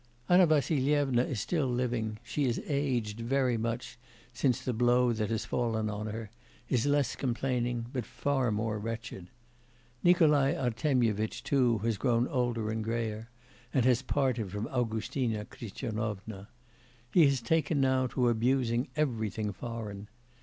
Anna Vassilyevna is still living; she has aged very much since the blow that has fallen on her; is less complaining, but far more wretched. Nikolai Artemyevitch, too, has grown older and greyer, and has parted from Augustina Christianovna.... He has taken now to abusing everything foreign.